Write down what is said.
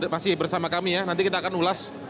masih bersama kami ya nanti kita akan ulas